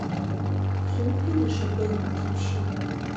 Цумпи нэшэбэгуи тэщэ.